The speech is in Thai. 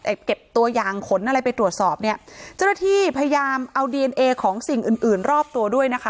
เก็บตัวอย่างขนอะไรไปตรวจสอบเนี่ยเจ้าหน้าที่พยายามเอาดีเอนเอของสิ่งอื่นอื่นรอบตัวด้วยนะคะ